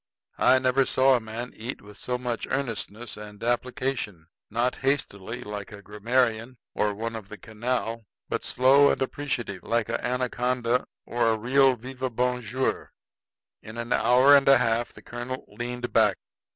I never saw a man eat with so much earnestness and application not hastily, like a grammarian, or one of the canal, but slow and appreciative, like a anaconda, or a real vive bonjour. In an hour and a half the colonel leaned back.